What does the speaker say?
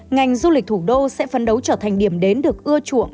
ngành du lịch thủ đô sẽ phấn đấu trở thành điểm đến được ưa chuộng